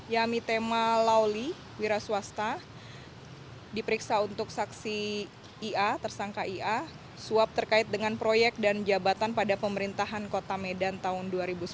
yami tema lauli wira swasta diperiksa untuk saksi ia tersangka ia suap terkait dengan proyek dan jabatan pada pemerintahan kota medan tahun dua ribu sembilan belas